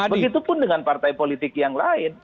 begitupun dengan partai politik yang lain